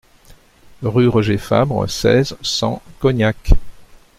Rue Roger Favre, seize, cent Cognac